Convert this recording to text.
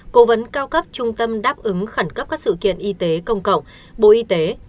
cố vấn cao cấp trung tâm đáp ứng khẩn cấp các sự kiện y tế công cộng bộ y tế